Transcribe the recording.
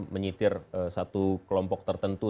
menyitir satu kelompok tertentu